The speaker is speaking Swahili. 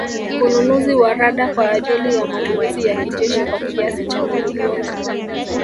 Ununuzi wa Rada kwa ajili ya matumizi ya kijeshi kwa kiasi cha mamilioni